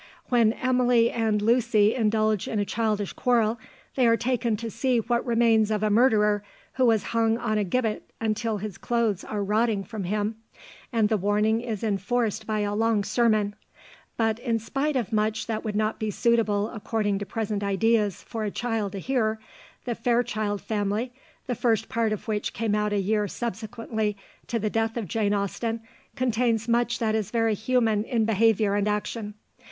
When Emily and Lucy indulge in a childish quarrel, they are taken to see what remains of a murderer who has hung on a gibbet until his clothes are rotting from him, and the warning is enforced by a long sermon; but in spite of much that would not be suitable according to present ideas for a child to hear, The Fairchild Family, the first part of which came out a year subsequently to the death of Jane Austen, contains much that is very human in behaviour and action.